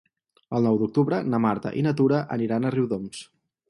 El nou d'octubre na Marta i na Tura aniran a Riudoms.